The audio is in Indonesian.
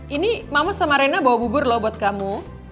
ini mama sama rena bawa bubur loh buat kamu